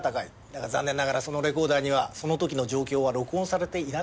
だが残念ながらそのレコーダーにはその時の状況は録音されていなかった。